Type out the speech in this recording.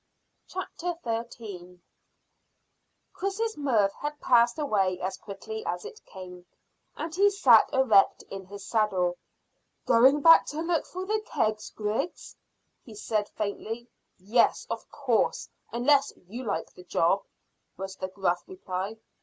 CHAPTER THIRTEEN. IN A STRANGE NEST. Chris's mirth had passed away as quickly as it came, and he sat erect in his saddle. "Going back to look for the kegs, Griggs?" he said faintly. "Yes, of course, unless you like the job," was the gruff reply.